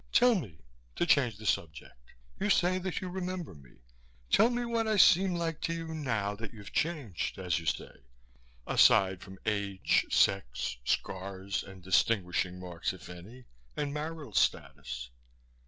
Tell me, to change the subject, you say that you remember me. Tell me what I seem like to you, now that you've changed, as you say, aside from age, sex, scars and distinguishing marks, if any, and marital status."